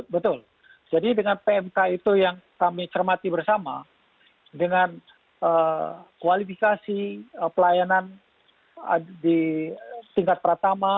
betul jadi dengan pmk itu yang kami cermati bersama dengan kualifikasi pelayanan di tingkat pertama